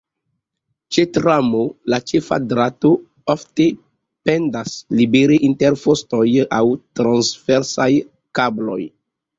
Ĉe tramo la ĉefa drato ofte pendas libere inter fostoj aŭ transversaj kabloj.